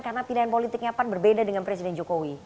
karena pilihan politiknya pan berbeda dengan presiden jokowi